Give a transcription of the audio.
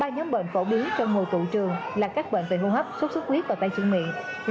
ba nhóm bệnh phổ biến trong mùa tụ trường là các bệnh tình hô hấp sốt sốt huyết và tay chữa miệng